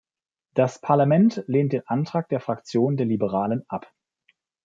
Das Parlament lehnt den Antrag der Fraktion der Liberalen ab.